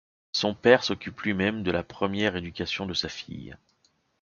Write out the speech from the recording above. Son père s'occupe lui-même de la première éducation de sa fille.